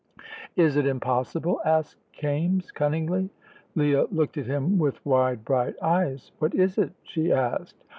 "Is it impossible?" asked Kaimes, cunningly. Leah looked at him with wide, bright eyes. "What is it?" she asked.